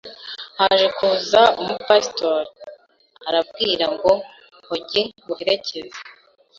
haje kuza umu Pasteur arambwira ngo hogi nguherekeze